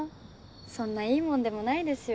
そんないいもんでもないですよ。